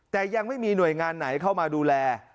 แต่ยังไม่มีหน่วยงานไหนเข้ามาดูแล